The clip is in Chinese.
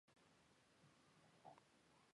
诺伊恩塔尔是德国黑森州的一个市镇。